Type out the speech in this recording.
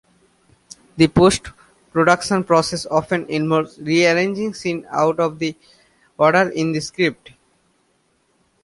This post-production process often involves rearranging scenes out of the order in the script.